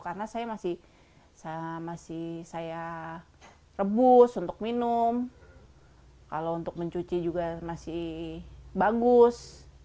karena saya masih rebus untuk minum kalau untuk mencuci juga masih bagus